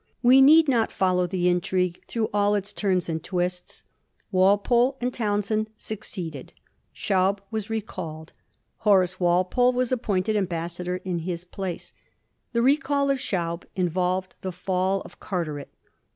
We need not follow the intrigue through all its turns and twists. Walpole and Townshend succeeded. Schaub was recalled ; Horace Walpole was appointed ambassador in his place. The recall of Schaub in volved the fall of Carteret.